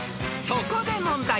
［そこで問題］